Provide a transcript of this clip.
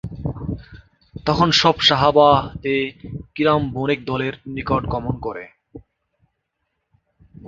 তখন সব সাহাবা-এ-কিরাম বণিক দলের নিকট গমন করে।